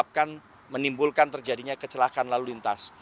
akan menimbulkan terjadinya kecelakaan lalu lintas